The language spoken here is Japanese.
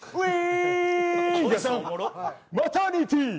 マタニティー！